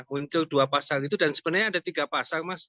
muncul dua pasal itu dan sebenarnya ada tiga pasal mas